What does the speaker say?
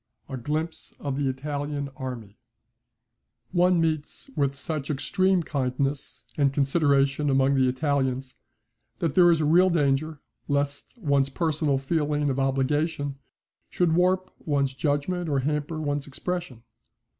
A GLIMPSE OF THE ITALIAN ARMY One meets with such extreme kindness and consideration among the Italians that there is a real danger lest one's personal feeling of obligation should warp one's judgment or hamper one's expression.